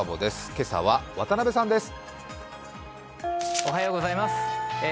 今朝は渡辺さんです。